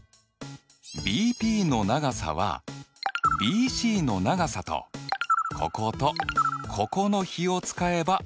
ＢＰの長さはＢＣの長さとこことここの比を使えば導き出せそうだね。